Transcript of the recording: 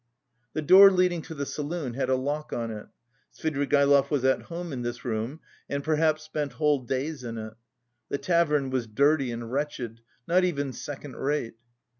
The door leading to the saloon had a lock on it. Svidrigaïlov was at home in this room and perhaps spent whole days in it. The tavern was dirty and wretched, not even second rate.